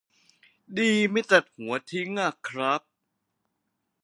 ดีไม่ตัดหัวทิ้งอะครับ